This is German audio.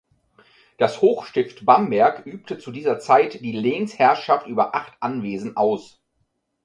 Das Hochstift Bamberg übte zu dieser Zeit die Lehnsherrschaft über acht Anwesen aus.